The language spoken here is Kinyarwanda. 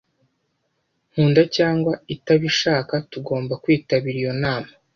Nkunda cyangwa itabishaka, tugomba kwitabira iyo nama.